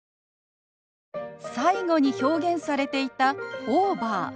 最後に表現されていた「オーバー」。